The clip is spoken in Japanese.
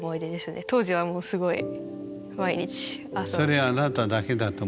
当時はもうすごい毎日朝起きて。